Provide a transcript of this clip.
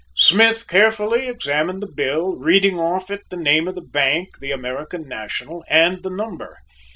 Smith carefully examined the bill, reading off it the name of the bank the American National and the number.